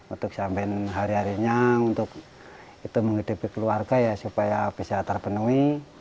untuk sampai hari harinya untuk itu menghidupi keluarga ya supaya bisa terpenuhi